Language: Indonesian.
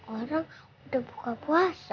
orang di datang kehidup essence nya